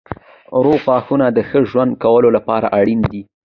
روغ غاښونه د ښه ژوند کولو لپاره اړین دي.